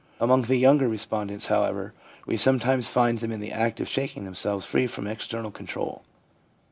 Among the younger respondents, however, we sometimes find them in the act of shaking themselves free from external con trol.